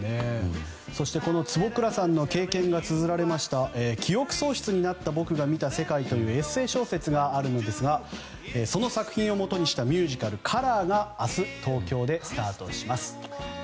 そしてこの坪倉さんの経験がつづられた「記憶喪失になった僕が見た世界」というエッセー小説があるんですがその作品をもとにしたミュージカル「ＣＯＬＯＲ」が明日、東京でスタートします。